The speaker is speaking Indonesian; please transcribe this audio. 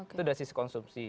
itu dari sisi konsumsi